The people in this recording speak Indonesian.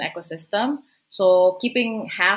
ekosistem yang penting lainnya